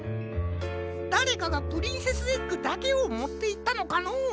だれかがプリンセスエッグだけをもっていったのかのう？